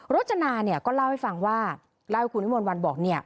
โรจนาเนี่ยก็เล่าให้ฟังว่าเล่าให้คุณมนต์วันบอกเนี่ย